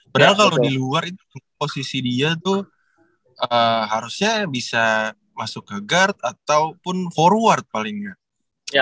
padahal kalau di luar itu posisi dia tuh harusnya bisa masuk ke guard ataupun forward paling nggak